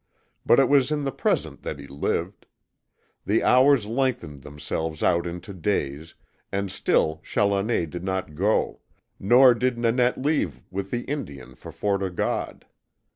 But it was in the present that he lived. The hours lengthened themselves out into days, and still Challoner did not go, nor did Nanette leave with the Indian for Fort O' God.